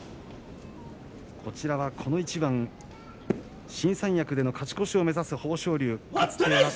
こちらは、この一番、新三役での勝ち越しを目指す豊昇龍です。